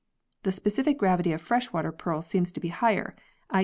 The specific gravity of fresh water pearls seems to be higher, i.